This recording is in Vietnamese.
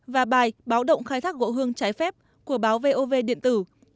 và bài báo động khai thác gỗ hương trái phép của báo vov điện tử